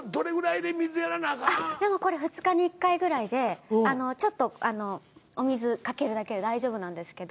でもこれ２日に１回ぐらいでちょっとお水かけるだけで大丈夫なんですけど。